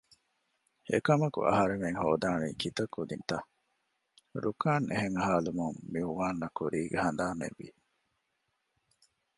އެކަމަކު އަހަރެމެން ހޯދާނީ ކިތައް ކުދިންތަ؟ ރުކާން އެހެން އަހާލުމުން މިއުވާންއަށް ކުރީގެ ހަނދާނެއްވި